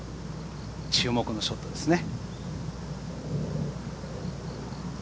注目のショットですね。